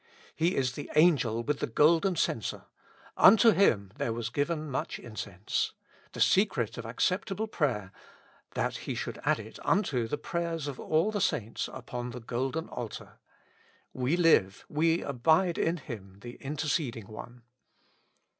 He is the angel with the golden censer: "Unto Him there was given much incense," the secret of acceptable prayer, " that He should add it unto the prayers of all the saints upon the golden altar." We live, we abide in Him, the Interceding One.